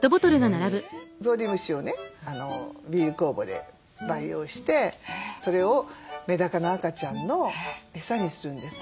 ゾウリムシをねビール酵母で培養してそれをメダカの赤ちゃんのエサにするんです。